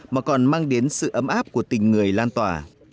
mà còn mang đến sự ấm áp của tình người lan tỏa